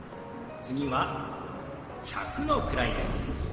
次は１００の位です。